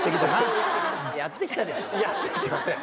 やってきてません。